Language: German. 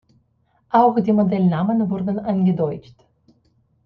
Auch die Modellnamen wurden eingedeutscht.